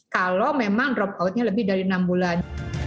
kalau memang drop outnya lebih dari enam bulan